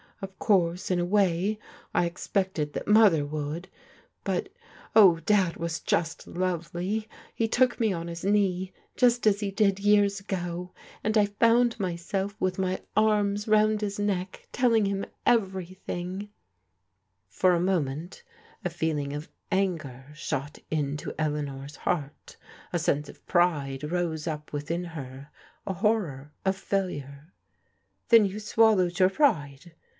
Of course, in a way, I expected that Mother would ;— but, oh. Dad w^.^ jnst lovely I He took me on his knee \m&\. ^^ >Ck& ^\^ ^^^ax% 866 PRODIGAL DAUQHTEBS ago, and I found myself with my arms round his neck telling him everything." For a moment, a feeling of anger shot into Eleanor's heart A sense of pride rose up within her, a horror of failure. " Then you swallowed your pride